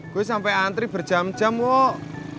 gue sampai antri berjam jam wok